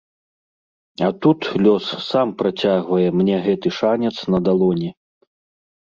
А тут лёс сам працягвае мне гэты шанец на далоні.